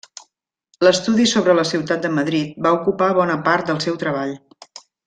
L'estudi sobre la ciutat de Madrid va ocupar bona part del seu treball.